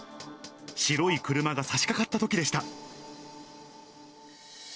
白い車がさしかかったときでした。